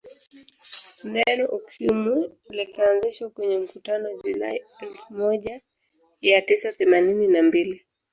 Neno Ukimwi likaanzishwa kwenye mkutano Julai elfu moja ia tisa themanini na mbili